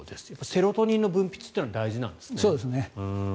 セロトニンの分泌というのは大事なんですね。